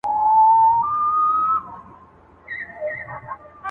خپل وطن خپل یې څښتن سو خپل یې کور سو٫